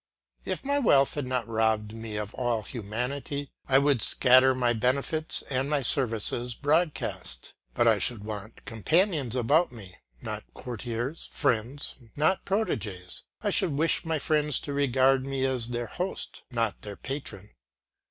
If my wealth had not robbed me of all humanity, I would scatter my benefits and my services broadcast, but I should want companions about me, not courtiers, friends, not proteges; I should wish my friends to regard me as their host, not their patron.